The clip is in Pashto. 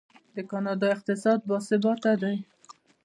د کاناډا اقتصاد باثباته دی.